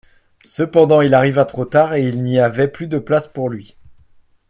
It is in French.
Cependant, il arriva trop tard et il n'y avait plus de place pour lui.